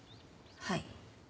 はい。